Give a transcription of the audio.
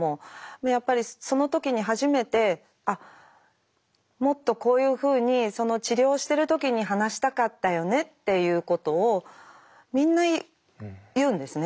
やっぱりその時に初めてあっもっとこういうふうにその治療をしてる時に話したかったよねっていうことをみんな言うんですね。